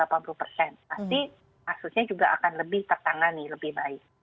pasti kasusnya juga akan lebih tertangani lebih baik